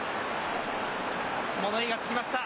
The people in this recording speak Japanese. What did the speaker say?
物言いがつきました。